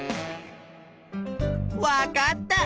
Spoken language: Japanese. わかった！